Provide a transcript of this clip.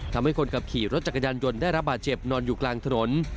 ทำให้คนขับขี่รถจักรยานยนต์ได้รับบาดเจ็บนอนอยู่กลางถนน